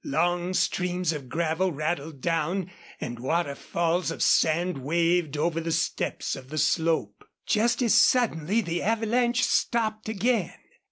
Long streams of gravel rattled down, and waterfalls of sand waved over the steps of the slope. Just as suddenly the avalanche stopped again.